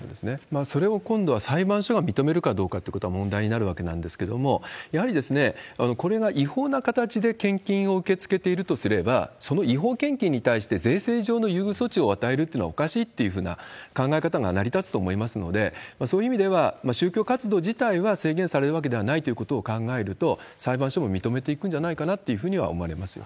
それを今度は裁判所が認めるかどうかってことが問題になるわけなんですけれども、やはりこれが違法な形で献金を受け付けているとすれば、その違法献金に対して税制上の優遇措置を与えるっていうのはおかしいっていうふうな考え方が成り立つと思いますので、そういう意味では、宗教活動自体は制限されるわけではないということを考えると、裁判所も認めていくんじゃないかなというふうには思われま